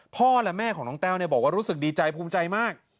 พ่อและแม่ของน้องแต้วบอกว่ารู้สึกดีใจภูมิใจมาก